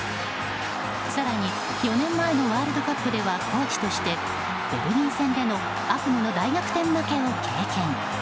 更に４年前のワールドカップではコーチとしてベルギー戦での悪夢の大逆転負けを経験。